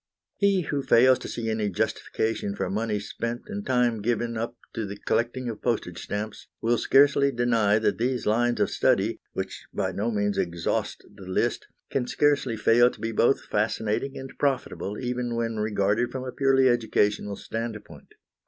He who fails to see any justification for money spent and time given up to the collecting of postage stamps will scarcely deny that these lines of study, which by no means exhaust the list, can scarcely fail to be both fascinating and profitable, even when regarded from a purely educational standpoint.